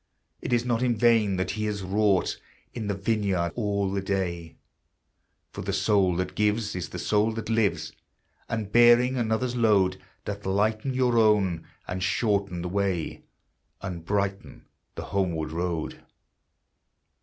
It is not in vain that he has wrought In the vineyard all the day; For the soul that gives is the soul that lives, And bearing another's load Doth lighten your own and shorten the way, And brighten the homeward road.